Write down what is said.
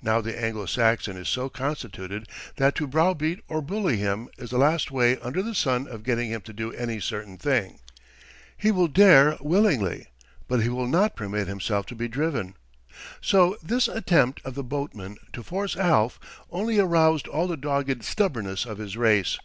Now the Anglo Saxon is so constituted that to browbeat or bully him is the last way under the sun of getting him to do any certain thing. He will dare willingly, but he will not permit himself to be driven. So this attempt of the boatmen to force Alf only aroused all the dogged stubbornness of his race.